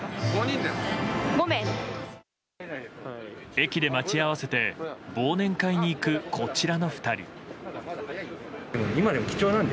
駅で待ち合わせて忘年会に行くこちらの２人。